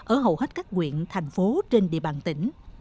ở hầu hết các nguyện thành phố trên địa bàn tỉnh